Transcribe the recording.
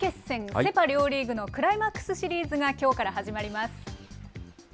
セ・パ両リーグのクライマックスシリーズがきょうから始まります。